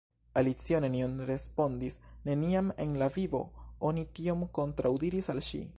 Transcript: Alicio nenion respondis. Neniam en la vivo oni tiom kontraŭdiris al ŝi.